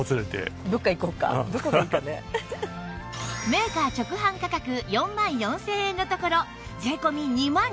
メーカー直販価格４万４０００円のところ税込２万２０００円